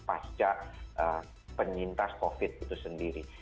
pasca penyintas covid itu sendiri